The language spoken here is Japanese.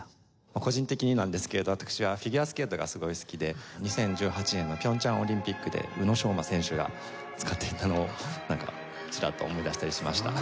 個人的になんですけれど私はフィギュアスケートがすごい好きで２０１８年の平昌オリンピックで宇野昌磨選手が使っていたのをチラッと思い出したりしました。